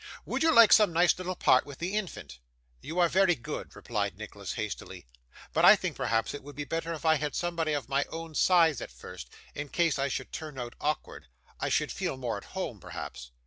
'Would you like some nice little part with the infant?' 'You are very good,' replied Nicholas hastily; 'but I think perhaps it would be better if I had somebody of my own size at first, in case I should turn out awkward. I should feel more at home, perhaps.